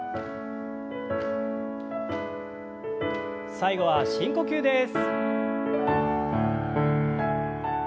最後は深呼吸です。